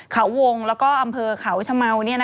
เขาวงแล้วก็อำเภอเขาชะเมา